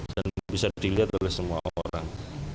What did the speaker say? bisa dilihat oleh semua orang